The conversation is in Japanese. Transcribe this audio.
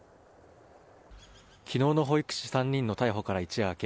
昨日の保育士３人の逮捕から一夜明け